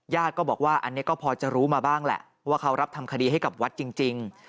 ก็บอกว่าอันนี้ก็พอจะรู้มาบ้างแหละว่าเขารับทำคดีให้กับวัดจริง